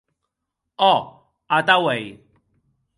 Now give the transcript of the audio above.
Òc, atau ei.